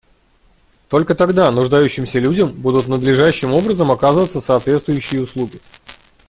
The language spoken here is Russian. Только тогда нуждающимся людям будут надлежащим образом оказываться соответствующие услуги.